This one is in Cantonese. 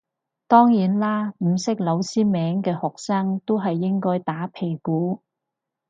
當然啦唔識老師名嘅學生都係應該打屁股